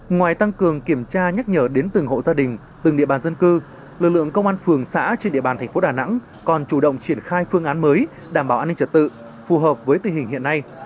ngoài tăng cường kiểm tra nhắc nhở đến từng hộ gia đình từng địa bàn dân cư lực lượng công an phường xã trên địa bàn thành phố đà nẵng còn chủ động triển khai phương án mới đảm bảo an ninh trật tự phù hợp với tình hình hiện nay